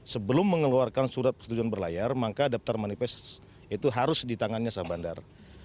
sebelum mengeluarkan surat persetujuan berlayar maka daftar manifest itu harus di tangannya sah bandar